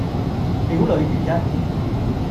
表裏如一